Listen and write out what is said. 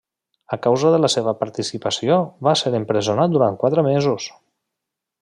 A causa de la seva participació va ser empresonat durant quatre mesos.